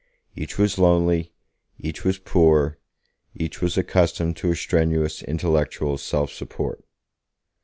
Each was lonely, each was poor, each was accustomed to a strenuous intellectual self support.